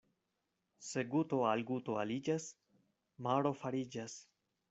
Se guto al guto aliĝas, maro fariĝas.